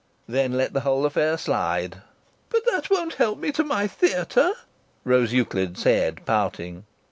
"Then let the whole affair slide." "But that won't help me to my theatre!" Rose Euclid said, pouting.